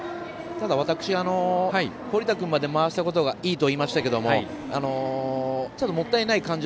私、堀田君まで回したことがいいと言いましたけどちょっと、もったいない感じ